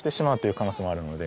可能性もあるので。